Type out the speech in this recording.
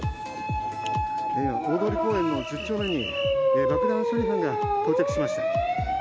大通公園の１０丁目に爆弾処理班が到着しました。